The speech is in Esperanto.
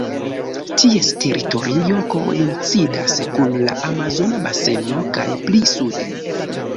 Ties teritorio koincidas kun la Amazona Baseno kaj pli sude.